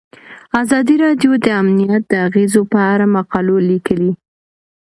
ازادي راډیو د امنیت د اغیزو په اړه مقالو لیکلي.